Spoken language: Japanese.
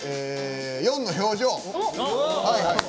４の表情。